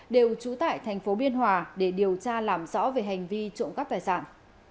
đều trụ tại tp biên hòa để điều tra làm rõ về hành vi trộn cắp tài sản